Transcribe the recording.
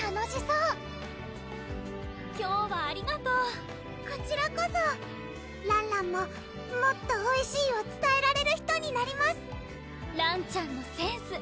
楽しそう今日はありがとうこちらこそらんらんももっとおいしいをつたえられる人になりますらんちゃんのセンス